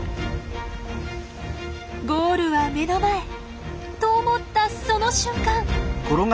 ゴールは目の前！と思ったその瞬間。